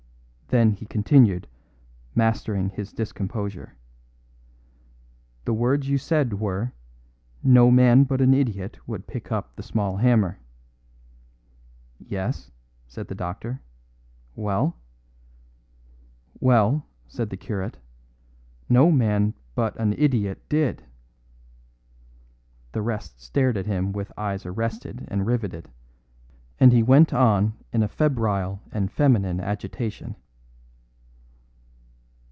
Then he continued, mastering his discomposure: "The words you said were, 'No man but an idiot would pick up the small hammer.'" "Yes," said the doctor. "Well?" "Well," said the curate, "no man but an idiot did." The rest stared at him with eyes arrested and riveted, and he went on in a febrile and feminine agitation.